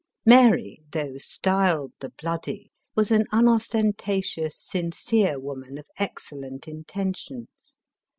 Mar}*, though styled the Bloody, was an unostenta tious, sincere woman of excellent intentions.